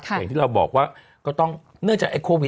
อย่างที่เราบอกว่าก็ต้องเนื่องจากไอ้โควิด